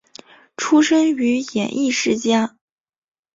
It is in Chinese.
出身于演艺世家。